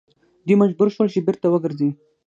دوی مجبور شول چې بیرته وګرځي.